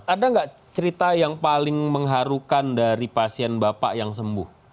ada nggak cerita yang paling mengharukan dari pasien bapak yang sembuh